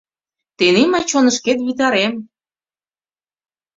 Тений мый чонышкет витарем.